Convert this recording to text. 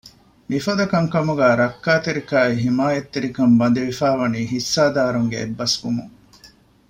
މިފަދަ ކަންކަމުގެ ރައްކާތެރިކާއި ހިމާޔަތްތެރިކަން ބަނދެވިފައި ވަނީ ހިއްސާދާރުންގެ އެއްބަސްވުމުން